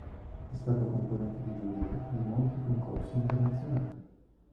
È stato componente di giuria di molti concorsi internazionali.